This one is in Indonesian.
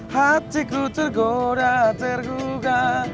hatiku tergoda terguga